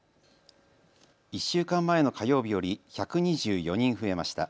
１週間前の火曜日より１２４人増えました。